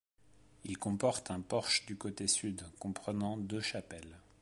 Il comporte un porche du côté sud, comprenant deux chapelles.